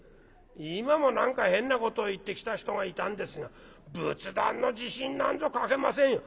今も何か変なこと言ってきた人がいたんですが仏壇の地震なんぞ描けませんよ」。